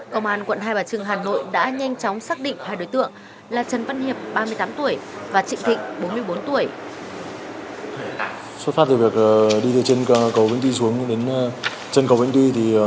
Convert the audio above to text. công an quận hai bà trưng hà nội đã nhanh chóng xác định hai đối tượng là trần văn hiệp ba mươi tám tuổi